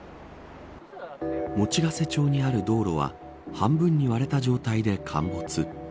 用瀬町にある道路は半分に割れた状態で陥没。